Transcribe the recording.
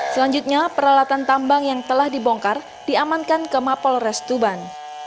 selanjutnya peralatan tambang yang telah dibongkar diamankan ke mapol restuban